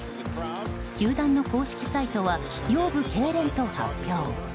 球団の公式サイトは腰部けいれんと発表。